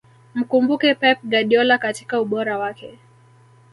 mkumbuke pep guardiola katika ubora wake